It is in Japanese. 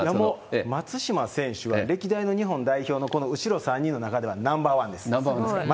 松島選手は、歴代の日本代表の後ろ３人の中ではナンバー１です。